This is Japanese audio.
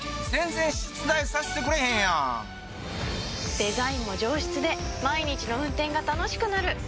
デザインも上質で毎日の運転が楽しくなる！